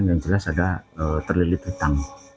yang jelas ada terlilit hitam